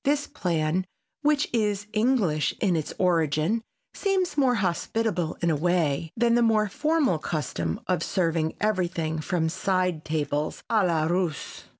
This plan, which is English in its origin, seems more hospitable in a way than the more formal custom of serving everything from side tables, a la Russe.